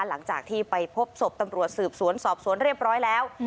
หลังจากที่ไปพบศพตำรวจสืบสวนสอบสวนเรียบร้อยแล้ว